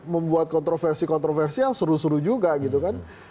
membuat kontroversi kontroversi yang seru seru juga gitu kan